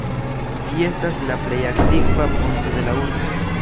Ĝi estas la plej antikva ponto de la urbo.